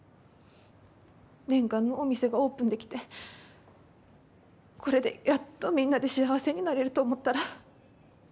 念願のお店がオープンできてこれでやっとみんなで幸せになれると思ったら。